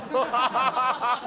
ハハハハ。